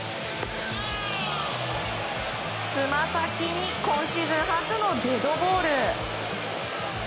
つま先に今シーズン初のデッドボール。